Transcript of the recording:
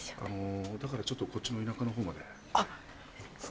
だからちょっとこっちの田舎の方まで。